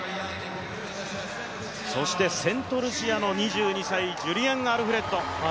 そしてセントルシアの２２歳アルフレッド。